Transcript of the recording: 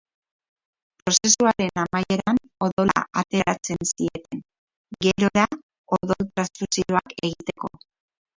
Prozesuaren amaieran odola ateratzen zieten, gerora odol-transfusioak egiteko.